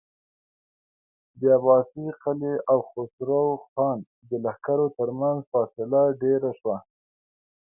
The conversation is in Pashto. د عباس قلي او خسرو خان د لښکرو تر مينځ فاصله ډېره شوه.